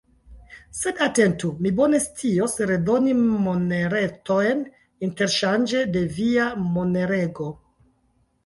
Sed, atentu: mi bone scios redoni moneretojn interŝanĝe de via monerego.